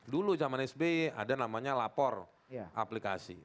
dulu zaman sby ada namanya lapor aplikasi